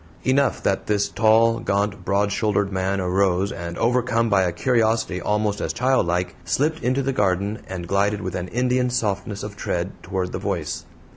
Enough that this tall, gaunt, broad shouldered man arose and, overcome by a curiosity almost as childlike, slipped into the garden and glided with an Indian softness of tread toward the voice.